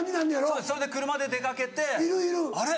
そうですそれで車で出かけてあれ？